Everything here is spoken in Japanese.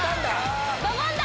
ドボンだ！